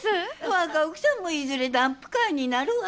若奥さんもいずれダンプカーになるわ。